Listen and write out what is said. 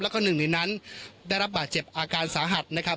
แล้วก็หนึ่งในนั้นได้รับบาดเจ็บอาการสาหัสนะครับ